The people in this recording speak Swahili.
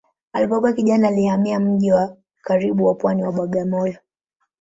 Alipokuwa kijana alihamia mji wa karibu wa pwani wa Bagamoyo.